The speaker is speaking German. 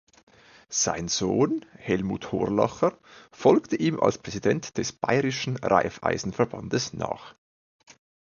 Sein Sohn Hellmut Horlacher folgte ihm als Präsident des Bayerischen Raiffeisenverbandes nach.